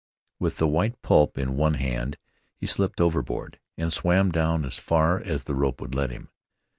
With the white pulp in one hand, he slipped overboard and swam down as far as the rope would let him.